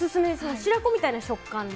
白子みたいな食感で。